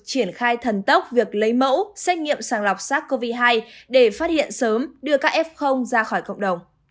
triển khai thần tốc việc lấy mẫu xét nghiệm sàng lọc sars cov hai để phát hiện sớm đưa các f ra khỏi cộng đồng